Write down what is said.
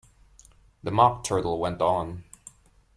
The Mock Turtle went on.